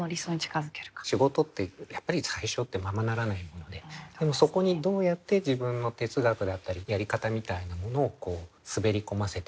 仕事ってやっぱり最初ってままならないものででもそこにどうやって自分の哲学だったりやり方みたいなものを滑り込ませていく。